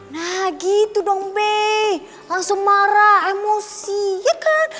nah gitu dong be langsung marah emosi ya kan